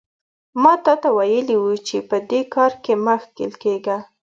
ما تاته ویلي وو چې په دې کار کې مه ښکېل کېږه.